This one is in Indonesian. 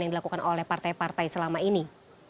yang dilakukan oleh partai partai selama ini